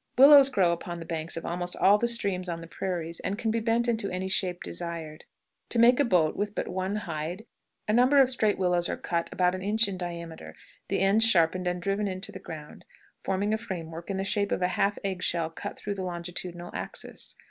Willows grow upon the banks of almost all the streams on the prairies, and can be bent into any shape desired. To make a boat with but one hide, a number of straight willows are cut about an inch in diameter, the ends sharpened and driven into the ground, forming a frame work in the shape of a half egg shell cut through the longitudinal axis.